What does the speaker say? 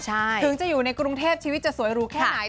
ถึงจะอยู่ในกรุงเทพชีวิตจะสวยหรูแค่ไหน